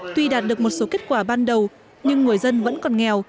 tuy đạt được một số kết quả ban đầu nhưng người dân vẫn còn nghèo